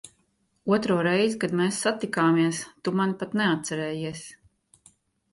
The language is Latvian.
Otro reizi, kad mēs satikāmies, tu mani pat neatcerējies.